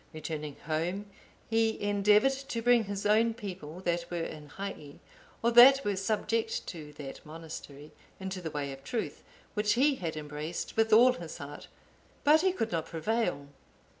Returning home, he endeavoured to bring his own people that were in Hii, or that were subject to that monastery, into the way of truth, which he had embraced with all his heart; but he could not prevail.